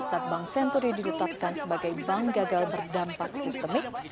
saat bank senturi ditetapkan sebagai bank gagal berdampak sistemik